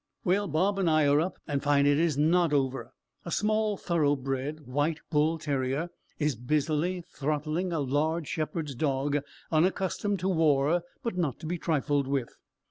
Well, Bob and I are up, and find it is not over: a small thoroughbred, white bull terrier, is busy throttling a large shepherd's dog, unaccustomed to war, but not to be trifled with.